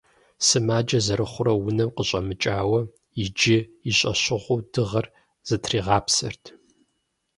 Сымаджэ зэрыхъурэ унэм къыщӏэмыкӏауэ, иджы и щӏэщыгъуэу дыгъэр зытригъапсэрт.